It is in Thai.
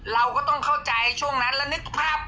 เราก็ต้องเข้าใจช่วงนั้นเรานึกภาพ